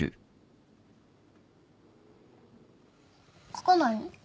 書かないの？